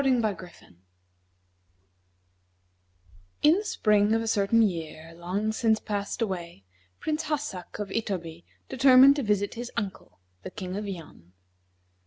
In the spring of a certain year, long since passed away, Prince Hassak, of Itoby, determined to visit his uncle, the King of Yan.